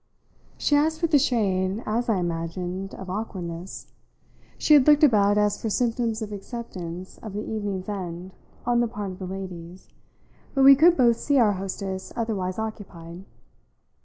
she asked with a shade, as I imagined, of awkwardness. She had looked about as for symptoms of acceptance of the evening's end on the part of the ladies, but we could both see our hostess otherwise occupied.